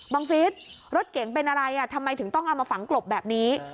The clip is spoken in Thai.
ฟิศรถเก๋งเป็นอะไรทำไมถึงต้องเอามาฝังกลบแบบนี้